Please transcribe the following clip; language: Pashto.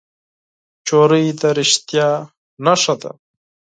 نجلۍ د رښتیا نښه ده.